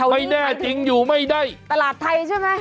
ไม่แน่จริงอยู่ไม่ได้เท่าที่นะครับจริงตลาดไทยใช่ไหม